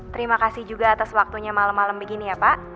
terima kasih juga atas waktunya malam malam begini ya pak